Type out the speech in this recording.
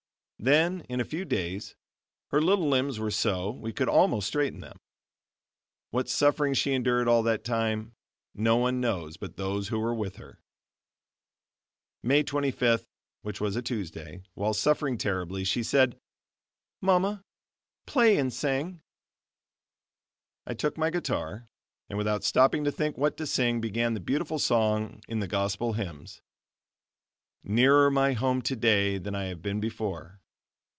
Then in a few days her little limbs were so we could almost straighten them. What suffering she endured all that time, no one knows but those who were with her. May 25th, which was Tuesday, while suffering terribly, she said: "Mama, play and sing." I took my guitar, and without stopping to think what to sing, began that beautiful song in the Gospel Hymns: "Nearer my home, today, than I have been before."